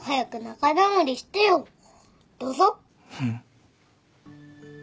うん。